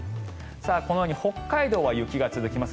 このように北海道は雪が続きます。